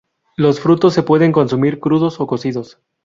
Los frutos se pueden consumir crudos o cocidos.